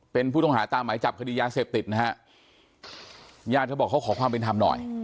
เป็นผู้ต้องหาตามหมายจับคดียาเสพติดนะฮะญาติเธอบอกเขาขอความเป็นธรรมหน่อย